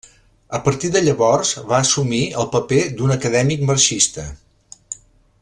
A partir de llavors va assumir el paper d’un acadèmic marxista.